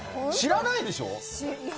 知らないでしょ？